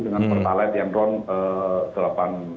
dengan pertalite yang ron delapan